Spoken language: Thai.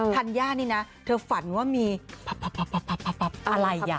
ธัญญานี่นะเธอฝันว่ามีอะไรอ่ะ